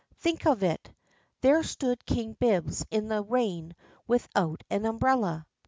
Think of it! There stood King Bibbs in the rain without an umbrella.